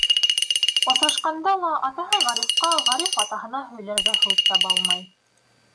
Осрашҡанда ла, атаһы Ғарифҡа, Ғариф атаһына һөйләргә һүҙ таба алмай.